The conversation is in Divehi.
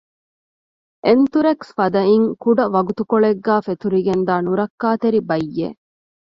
އެންތުރެކްސް ފަދައިން ކުޑަ ވަގުތުކޮޅެއްގައި ފެތުރިގެންދާ ނުރައްކާތެރި ބައްޔެއް